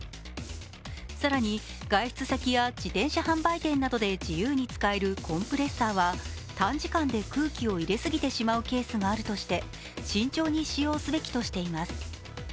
更に、外出先や自転車販売店などで自由に使えるコンプレッサーは短時間で空気を入れすぎてしまうケースがあるとして慎重に使用すべきとしています。